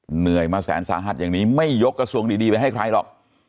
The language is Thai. เหนื่อยมาแสนสาหัสอย่างนี้ไม่ยกกระทรวงดีไปให้ใครหรอก